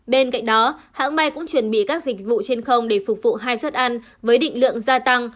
bên cạnh đó hãng may cũng chuẩn bị các dịch vụ trên không để phục vụ hai suất ăn với định lượng gia tăng